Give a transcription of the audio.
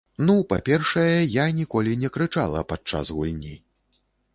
Ну, па-першае, я ніколі не крычала падчас гульні.